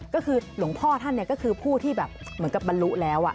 ก็คือหลวงพ่อท่านก็คือผู้ที่แบบเหมือนกับบรรลุแล้ว